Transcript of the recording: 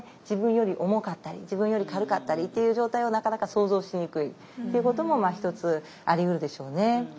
自分より重かったり自分より軽かったりっていう状態をなかなか想像しにくいということも一つありうるでしょうね。